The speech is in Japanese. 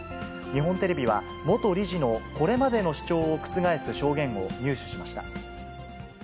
日本テレビは、元理事のこれまでの主張を覆す証言を入手しました。